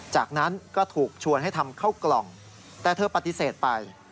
จากนั้นก็ถูกชวนให้ทำเข้ากล่องแต่เธอปฏิเสธไป